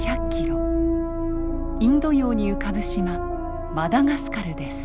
インド洋に浮かぶ島マダガスカルです。